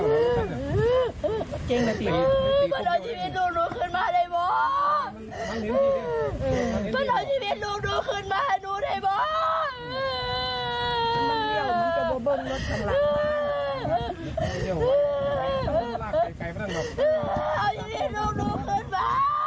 หาชีวิตลูกคือกึ้นมา